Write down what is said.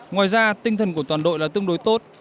ngoài ra tinh thần của toàn đội là tương đối tốt